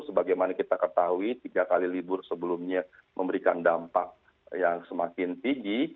sebagaimana kita ketahui tiga kali libur sebelumnya memberikan dampak yang semakin tinggi